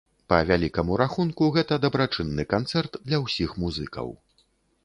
Па вялікаму рахунку, гэта дабрачынны канцэрт для ўсіх музыкаў.